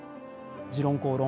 「時論公論」